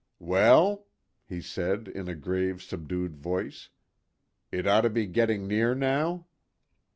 "Well?" he said, in a grave, subdued voice, "it ought to be getting near now?"